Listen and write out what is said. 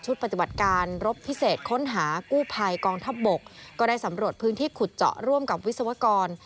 ปฏิบัติการรบพิเศษค้นหากู้ภัยกองทัพบกก็ได้สำรวจพื้นที่ขุดเจาะร่วมกับวิศวกร